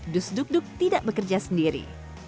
dus duk duk tidak bekerja sendiri